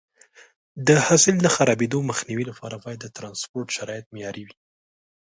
د حاصل د خرابېدو مخنیوي لپاره باید د ټرانسپورټ شرایط معیاري وي.